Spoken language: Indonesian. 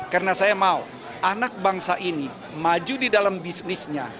karena saya mau anak bangsa ini maju di dalam bisnisnya